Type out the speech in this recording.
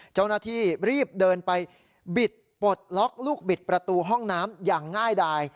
เจ้าหน้าที่รีบเดินไปบิดปลดล็อกลูกบิดประตูห้องน้ำอย่างง่ายดาย